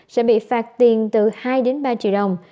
sẽ bị phạt tiền từ hai ba triệu đồng